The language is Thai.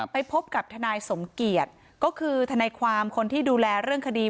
ไปพบกับทนายสมเกียจก็คือทนายความคนที่ดูแลเรื่องคดี